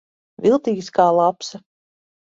Viltīgs kā lapsa.